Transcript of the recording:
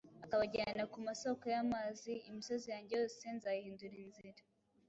akabajyana ku masoko y’amazi. « Imisozi yanjye yose nzayihindura inzira,